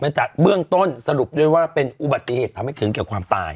จากเบื้องต้นสรุปด้วยว่าเป็นอุบัติเหตุทำให้ถึงแก่ความตาย